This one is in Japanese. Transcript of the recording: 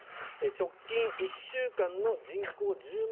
直近１週間の人口１０万